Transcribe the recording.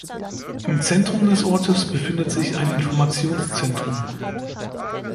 Im Zentrum des Ortes befindet sich ein Informationszentrum.